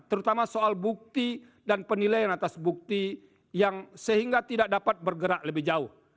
terutama soal bukti dan penilaian atas bukti yang sehingga tidak dapat bergerak lebih jauh